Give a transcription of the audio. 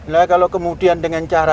lah kalau kemudian dengan cara